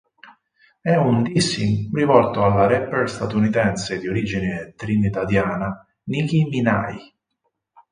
È un dissing rivolto alla rapper statunitense di origine trinidadiana Nicki Minaj.